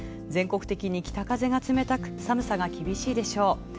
全国的に北風が冷たく寒さが厳しいでしょう。